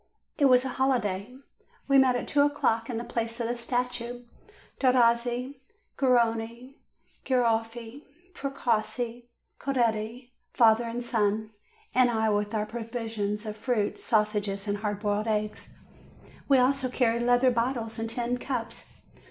It was a holiday. We met at two o'clock in the place of the Statue Derossi, Garrone, Garoffi, Precossi, Coretti, father and son, and I with our provisions of fruit, sausages, and hard boiled eggs ; we also carried leather bottles and tin cups.